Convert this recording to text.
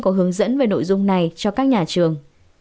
có hướng dẫn về nội dung này cho các nhà trường